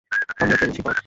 আমরা পেরেছি, বব।